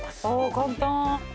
簡単。